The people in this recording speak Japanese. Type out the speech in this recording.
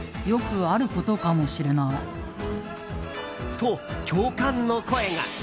と、共感の声が。